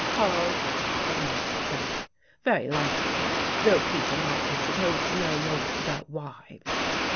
"Paul," remarked Jack. "Very likely, though Peter might be supposed to know most about wives.